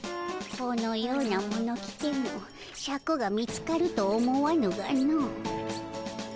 このようなもの着てもシャクが見つかると思わぬがの。